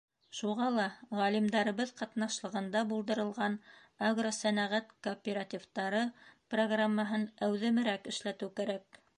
Шуға ла ғалимдарыбыҙ ҡатнашлығында булдырылған агросәнәғәт кооперативтары программаһын әүҙемерәк эшләтеү кәрәк.